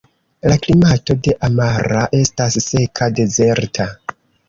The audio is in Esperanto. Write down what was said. La klimato de Amara estas seka dezerta.